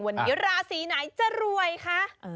วันนี้ราศีไหนจะรวยคะ